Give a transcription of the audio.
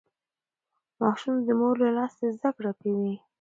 ماشوم د مور له ناستې زده کړه کوي.